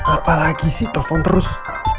apa lagi sih telpon terus